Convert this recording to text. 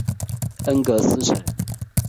恩格斯城。